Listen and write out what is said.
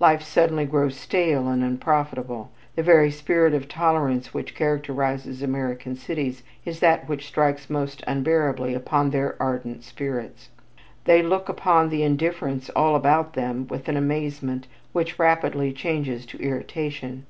Life suddenly grows stale and unprofitable; the very spirit of tolerance which characterizes American cities is that which strikes most unbearably upon their ardent spirits. They look upon the indifference all about them with an amazement which rapidly changes to irritation.